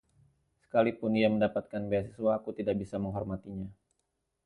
Sekalipun ia mendapatkan beasiswa, aku tidak bisa menghormatinya.